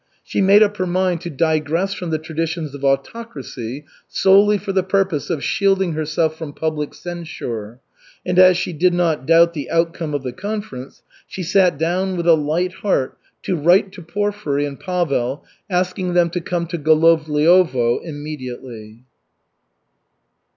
She made up her mind to digress from the traditions of autocracy solely for the purpose of shielding herself from public censure, and as she did not doubt the outcome of the conference, she sat down with a light heart to write to Porfiry and Pavel asking them to come to Golovliovo immediately.